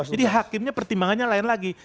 jadi hakimnya pertimbangannya lain lagi